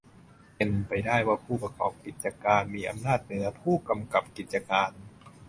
เป็นไปได้ว่าผู้ประกอบกิจการมีอำนาจเหนือผู้กำกับกิจการ